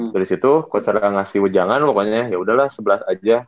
dari situ coach carel ngasih ujangan pokoknya yaudah lah sebelas aja